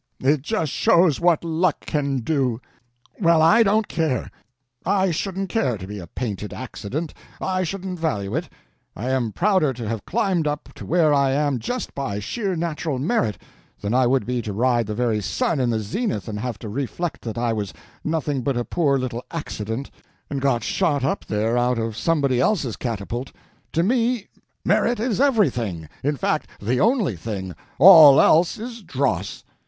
It just shows what luck can do. Well, I don't care. I shouldn't care to be a painted accident—I shouldn't value it. I am prouder to have climbed up to where I am just by sheer natural merit than I would be to ride the very sun in the zenith and have to reflect that I was nothing but a poor little accident, and got shot up there out of somebody else's catapult. To me, merit is everything—in fact, the only thing. All else is dross."